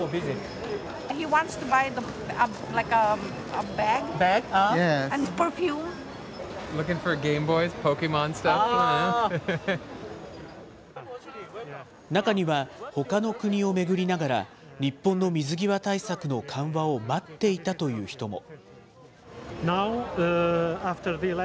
中には、ほかの国を巡りながら、日本の水際対策の緩和を待っていたという人も。